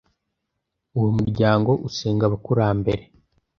Uwo muryango usenga abakurambere.